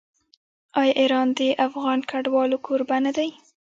آیا ایران د افغان کډوالو کوربه نه دی؟